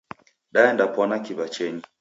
Daendapwana kiw'achenyi.